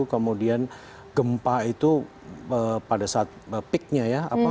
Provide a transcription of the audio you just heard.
kemudian gempa itu pada saat peak nya ya